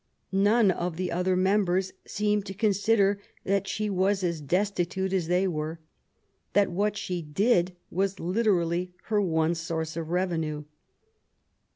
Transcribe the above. None of the other members seemed to consider that she was as destitute as they were — ^that what she did was literally her one source of revenue.